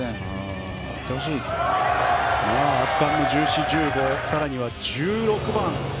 圧巻の１４、１５更には１６番。